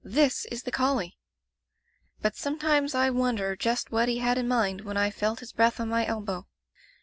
"This is the collie/' "But sometimes I wonder just what he had in mind when I felt his breath on my elbow.